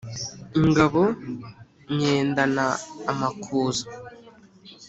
ingabo nyendana amakuza